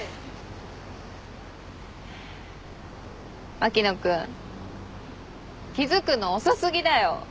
牧野君気付くの遅すぎだよ。